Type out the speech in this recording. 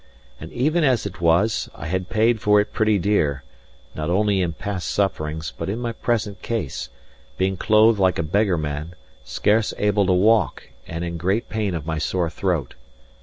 And even as it was, I had paid for it pretty dear, not only in past sufferings, but in my present case; being clothed like a beggar man, scarce able to walk, and in great pain of my sore throat.